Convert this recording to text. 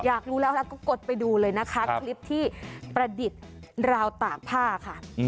อยากรู้แล้วแล้วก็กดไปดูเลยนะคะคลิปที่ประดิษฐ์ราวตากผ้าค่ะ